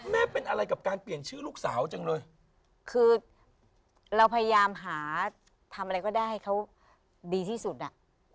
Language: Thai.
แม่เป็นอะไรกับการเปลี่ยนชื่อลูกสาวจังเลยคือเราพยายามหาทำอะไรก็ได้ให้เขาดีที่สุดอ่ะ